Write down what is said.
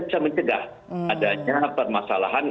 bisa mencegah adanya permasalahan